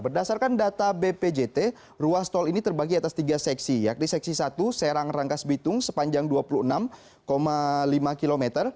berdasarkan data bpjt ruas tol ini terbagi atas tiga seksi yakni seksi satu serang rangkas bitung sepanjang dua puluh enam lima km